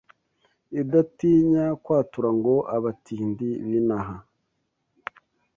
Idatinya kwatura Ngo abatindi b'inaha